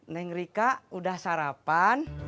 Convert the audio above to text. neng rika udah sarapan